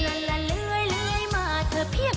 ละละละลื่อยมาเถอะเพียง